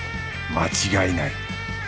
間違いない。